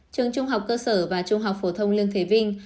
trường trung học cơ sở và trung học phổ thông lương thế vinh